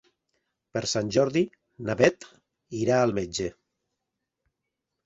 Per Sant Jordi na Bet irà al metge.